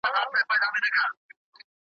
چا ویل چي دا ګړی به قیامت کیږي؟ `